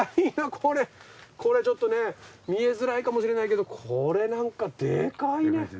これちょっとね見えづらいかもしれないけどこれなんかデカいね。